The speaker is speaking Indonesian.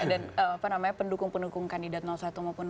dan pendukung pendukung kandidat satu maupun dua